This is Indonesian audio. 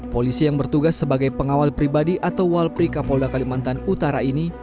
polisi yang bertugas sebagai pengawal pribadi atau walpri kapolda kalimantan utara ini